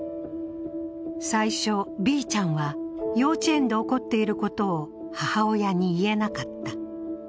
最初、Ｂちゃんは幼稚園で起こっていることを母親に言えなかった。